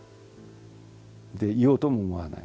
言おうとも思わない。